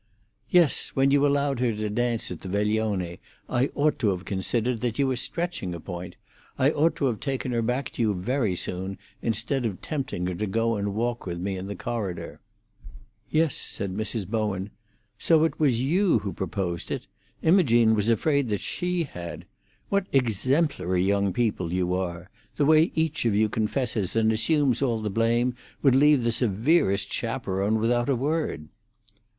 "Yes. When you allowed her to dance at the veglione, I ought to have considered that you were stretching a point. I ought to have taken her back to you very soon, instead of tempting her to go and walk with me in the corridor." "Yes," said Mrs. Bowen. "So it was you who proposed it? Imogene was afraid that she had. What exemplary young people you are! The way each of you confesses and assumes all the blame would leave the severest chaperone without a word."